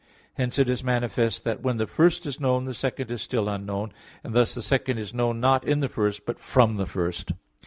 Hence it is manifest that when the first is known, the second is still unknown; and thus the second is known not in the first, but from the first.